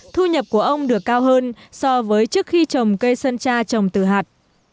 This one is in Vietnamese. thu nhập của ông được cao hơn so với trước khi trồng cây sơn tra trồng từ hạt